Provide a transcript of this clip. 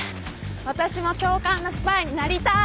私も教官のスパイになりたい。